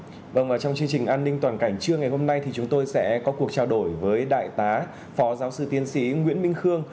vâng trong chương trình an ninh toàn cảnh trưa ngày hôm nay thì chúng tôi sẽ có cuộc trao đổi với đại tá phó giáo sư tiến sĩ nguyễn minh khương